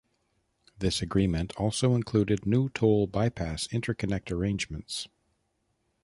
This agreement also included new toll bypass interconnect arrangements.